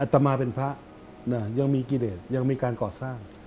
ต่อมาเป็นพระยังมีกิเดชยังมีการก่อสร้าง